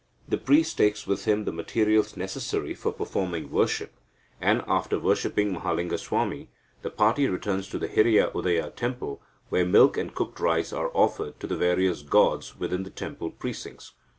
The priest takes with him the materials necessary for performing worship, and, after worshipping Mahalingaswami, the party return to the Hiriya Udaya temple, where milk and cooked rice are offered to the various gods within the temple precincts.